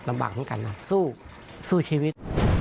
ลำบากเหมือนกันสู้ชีวิต